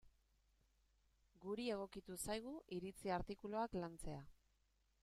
Guri egokitu zaigu iritzi artikuluak lantzea.